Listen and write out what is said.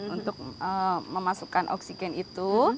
untuk memasukkan oksigen itu